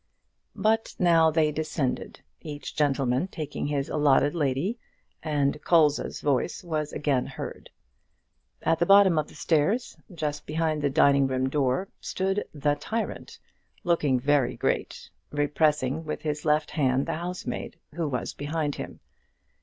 But now they descended, each gentleman taking his allotted lady, and Colza's voice was again heard. At the bottom of the stairs, just behind the dining room door, stood the tyrant, looking very great, repressing with his left hand the housemaid who was behind him.